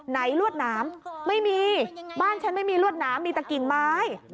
ไหนรวดน้ำไม่มีบ้านฉันไม่มีรวดน้ำมีแต่กิ่งไม้